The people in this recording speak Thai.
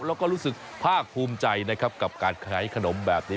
แล้วก็รู้สึกภาคภูมิใจนะครับกับการขายขนมแบบนี้